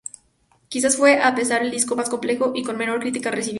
Quizás fue a su pesar, el disco más complejo y con mejor crítica recibida.